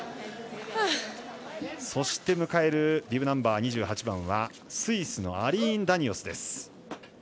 そして迎えるビブナンバー２８番はスイスのアリーン・ダニオス。